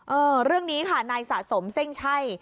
เออเรื่องนี้ค่ะนายสะสมเซ่งใช่